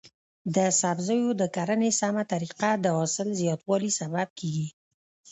د سبزیو د کرنې سمه طریقه د حاصل زیاتوالي سبب کیږي.